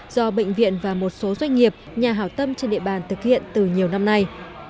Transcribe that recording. do bệnh viện và một số doanh nghiệp nhà hảo tâm trên địa bàn thực hiện từ nhiều năm nay